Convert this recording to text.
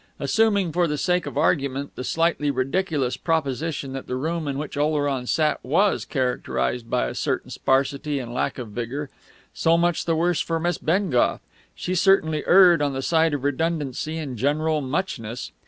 Assuming for the sake of argument the slightly ridiculous proposition that the room in which Oleron sat was characterised by a certain sparsity and lack of vigour; so much the worse for Miss Bengough; she certainly erred on the side of redundancy and general muchness.